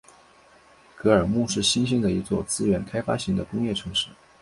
格尔木是新兴的一座资源开发型的工业城市。